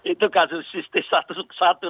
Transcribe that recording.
itu kasus istri satu satu